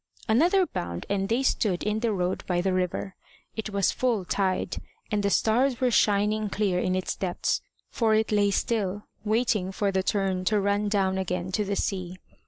Another bound, and they stood in the road by the river. It was full tide, and the stars were shining clear in its depths, for it lay still, waiting for the turn to run down again to the sea.